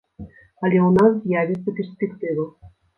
Але ў нас з'явіцца перспектыва.